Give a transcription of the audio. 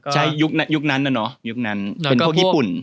ใช่ยุคนั้นน่ะเนอะยุคนั้นเป็นพวกญี่ปุ่น